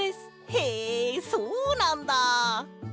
へえそうなんだ！